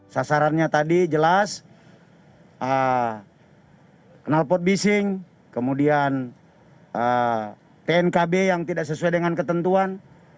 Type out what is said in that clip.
sasarannya tadi jelas kenalpot bising kemudian tnkb yang tidak sesuai dengan ketentuan